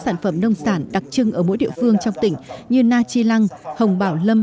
sản phẩm nông sản đặc trưng ở mỗi địa phương trong tỉnh như na chi lăng hồng bảo lâm